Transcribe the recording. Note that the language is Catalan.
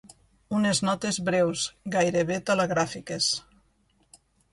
Unes notes breus, gairebé telegràfiques.